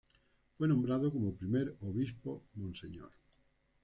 Fue nombrado como primer obispo mons.